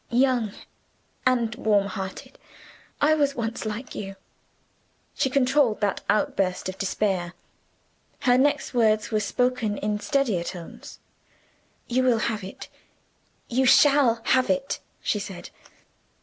"Young and warm hearted I was once like you!" She controlled that outburst of despair. Her next words were spoken in steadier tones. "You will have it you shall have it!" she said.